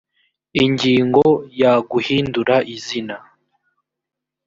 ingingo ya guhindura izina